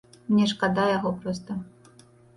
Мне шкада яго проста.